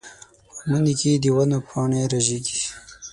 په مني کې د ونو پاڼې رژېږي.